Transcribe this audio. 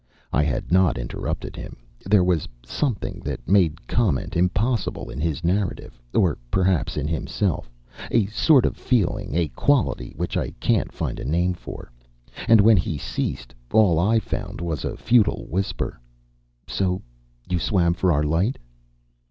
I had not interrupted him. There was something that made comment impossible in his narrative, or perhaps in himself; a sort of feeling, a quality, which I can't find a name for. And when he ceased, all I found was a futile whisper: "So you swam for our light?"